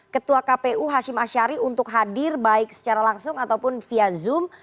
ketua kpu hashim ashari untuk hadir baik secara langsung ataupun via zoom